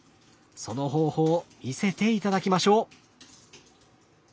その方法見せて頂きましょう！